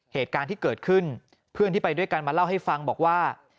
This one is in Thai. เหตุการณ์ที่เกิดขึ้นเพื่อนที่ไปด้วยกันมาเล่าให้ฟังบอกว่า